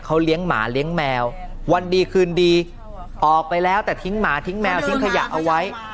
เขาเลี้ยงหมาเลี้ยงแมววันดีคืนดีออกไปแล้วแต่ทิ้งหมาทิ้งแมวทิ้งขยะเอาไว้